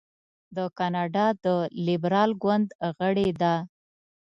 د کاناډا د لیبرال ګوند غړې ده.